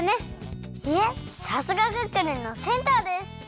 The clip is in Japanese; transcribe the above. さすがクックルンのセンターです！